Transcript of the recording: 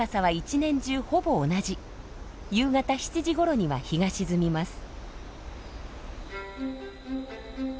夕方７時ごろには日が沈みます。